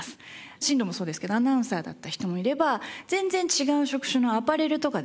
進藤もそうですけどアナウンサーだった人もいれば全然違う職種のアパレルとかですね